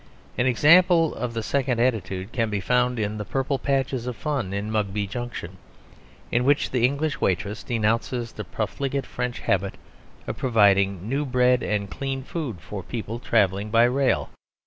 An example of the second attitude can be found in the purple patches of fun in Mugby Junction; in which the English waitress denounces the profligate French habit of providing new bread and clean food for people travelling by rail.